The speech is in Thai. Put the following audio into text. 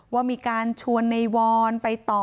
ว่ามีการชวนในวอนไปต่อ